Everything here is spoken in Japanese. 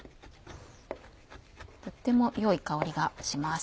とっても良い香りがします。